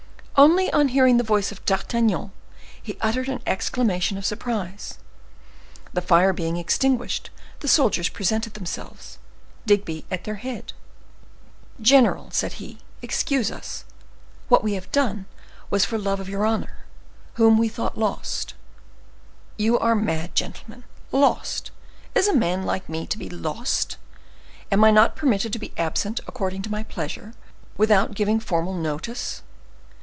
Only, on hearing the voice of D'Artagnan, he uttered an exclamation of surprise. The fire being extinguished, the soldiers presented themselves, Digby at their head. "General," said he, "excuse us; what we have done was for love of your honor, whom we thought lost." "You are mad, gentlemen. Lost! Is a man like me to be lost? Am I not permitted to be absent, according to my pleasure, without giving formal notice?